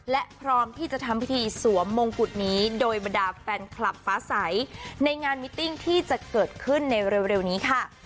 และพร้อมที่จะทำพิธีสวมมงกุฎนี้โดยบรรดาแฟนคลับฟ้าใสในงานมิติ้งที่จะเกิดขึ้นในเร็วนี้ค่ะ